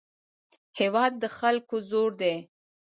هېواد د خلکو زور دی.